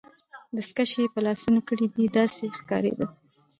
دستکشې يې په لاسو کړي وې، داسې یې ښکاریده.